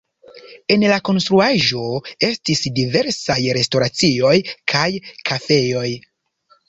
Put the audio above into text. En la konstruaĵo estis diversaj restoracioj kaj kafejoj.